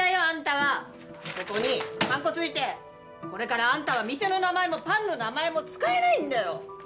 あんたはここにはんこついてこれからあんたは店の名前もパンの名前も使えないんだよ